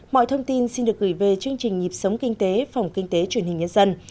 mọi thông tin xin được gửi về chương trình nhịp sống kinh tế phòng kinh tế truyền hình nhân dân